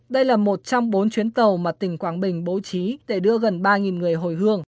đây là một trong bốn chuyến tàu mà tỉnh quảng bình bố trí để đưa gần ba người hồi hương